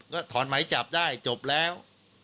ก็ถอนไหมจับได้จบแล้ว